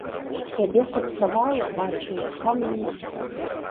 Цябе сапсавала, бачу я, камуна.